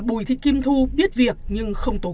bùi thị kim thu biết việc nhưng không tố cáo